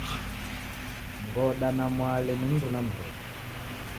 Ngoda na Mwale ni mundu na mruna.